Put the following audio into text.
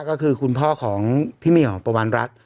ก็คือคุณพ่อของพี่เหมียวประวันรัฐ